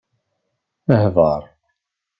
Hḍeṛ.